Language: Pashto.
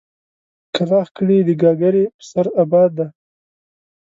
کلاخ کلي د گاگرې په سر اباد دی.